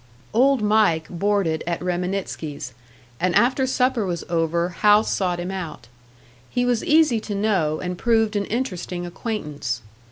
Old Mike boarded at Reminitsky's, and after supper was over, Hal sought him out. He was easy to know, and proved an interesting acquaintance.